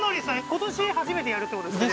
今年初めてやるってことですか？